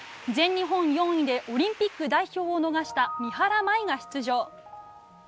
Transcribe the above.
全日本４位でオリンピック代表を逃した三原舞依が出場。